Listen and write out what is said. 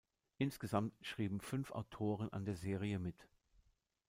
Insgesamt schrieben fünf Autoren an der Serie mit.